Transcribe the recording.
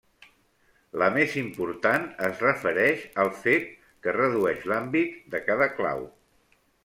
La més important es refereix al fet que redueix l'àmbit de cada clau.